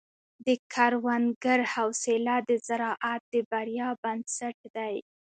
د کروندګر حوصله د زراعت د بریا بنسټ دی.